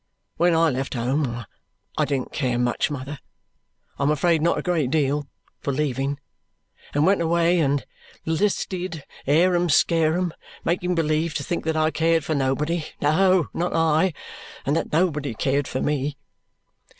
When I left home I didn't care much, mother I am afraid not a great deal for leaving; and went away and 'listed, harum scarum, making believe to think that I cared for nobody, no not I, and that nobody cared for me."